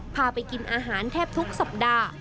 พาไปกินอาหารแทบทุกสัปดาห์